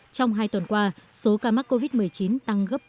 trong hai tuần qua số ca mắc covid một mươi chín tăng gấp